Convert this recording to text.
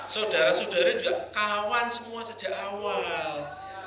saudara saudara juga kawan semua sejak awal